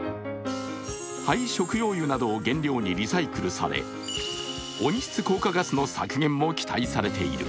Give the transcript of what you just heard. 廃食用油などを原料にリサイクルされ、温室効果ガスの削減も期待されている。